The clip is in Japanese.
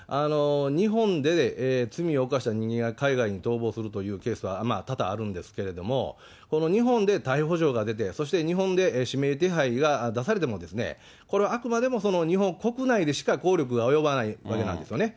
日本で罪を犯した人間が海外に逃亡するというケースは、多々あるんですけれども、この日本で逮捕状が出て、そして日本で指名手配が出されても、これはあくまでも日本国内でしか効力が及ばないわけなんですよね。